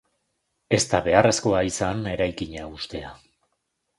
Ez da beharrezkoa izan eraikina hustea.